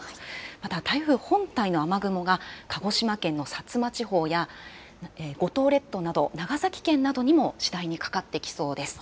また台風本体の雨雲が鹿児島県の薩摩地方や五島列島など長崎県にもかかってきそうです。